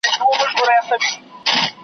موږ سره وه پل په پل همکاره زنداباد